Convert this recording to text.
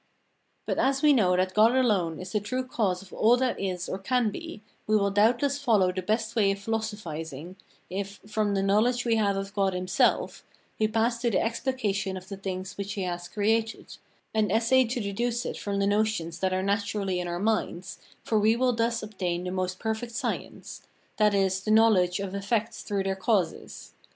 But as we know that God alone is the true cause of all that is or can be, we will doubtless follow the best way of philosophizing, if, from the knowledge we have of God himself, we pass to the explication of the things which he has created, and essay to deduce it from the notions that are naturally in our minds, for we will thus obtain the most perfect science, that is, the knowledge of effects through their causes.